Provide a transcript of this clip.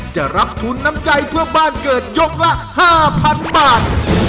จะรับทุนน้ำใจเพื่อบ้านเกิดยกละ๕๐๐๐บาท